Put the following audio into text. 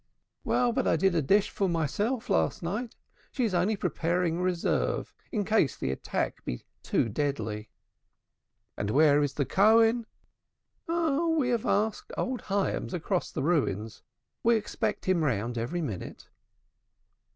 "Well, but I did a dishful myself last night. She is only preparing a reserve in case the attack be too deadly." "And where is the Cohen?" "Oh, we have asked old Hyams across the Ruins. We expect him round every minute."